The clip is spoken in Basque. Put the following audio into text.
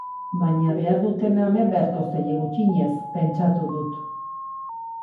Baina behar dutena eman beharko zaie gutxienez, pentsatu dut.